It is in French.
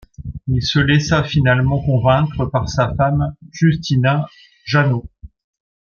Il se laissa finalement convaincre par sa femme, Justina Jannaut.